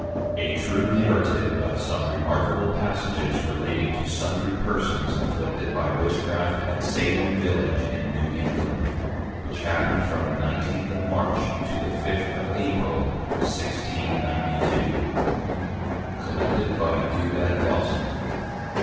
A TRUE NARRATIVE of some Remarkable Passages relating to sundry Persons afflicted by Witchcraft at Salem Village in New England, which happened from the 19th. of March to the 5th. of April, 1692. COLLECTED BY DEODAT LAWSON.